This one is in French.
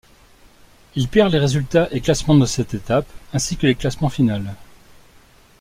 Il perd les résultats et classements de cette étape ainsi que les classements finals.